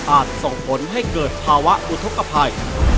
ส่งผลให้เกิดภาวะอุทธกภัย